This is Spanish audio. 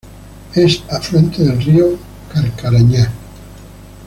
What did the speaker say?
Es afluente del río Carcarañá.